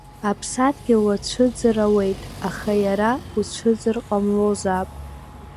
Аԥсадгьыл уацәыӡыр ауеит, аха иара уцәыӡыр ҟамлозаап!